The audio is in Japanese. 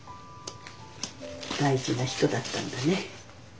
大事な人だったんだね。